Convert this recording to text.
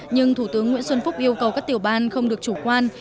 nhưng thủ tướng nguyễn xuân phúc yêu cầu các tiểu ban không được chủ quan